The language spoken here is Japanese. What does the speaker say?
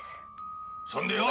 そんでよ